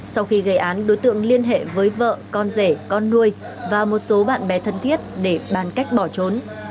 sau khi gây án đối tượng liên hệ với vợ con rể con nuôi và một số bạn bè thân thiết để bàn cách bỏ trốn